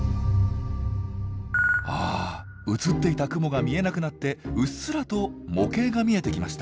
あ映っていた雲が見えなくなってうっすらと模型が見えてきました。